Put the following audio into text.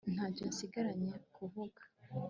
ntacyo nsigaranye kuvuga